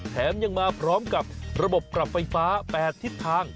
แถมยังมาพร้อมกับระบบกลับไฟฟ้า๘ทิศทาง